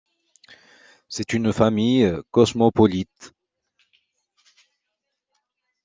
C'est une famille cosmopolite.